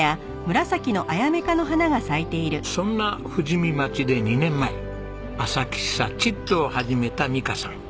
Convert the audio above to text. そんな富士見町で２年前朝喫茶ちっとを始めた美香さん。